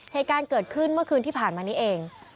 เหตุการณ์เกิดขึ้นเมื่อคืนที่ผ่านมานี้เอง